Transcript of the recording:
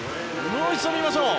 もう一度見ましょう。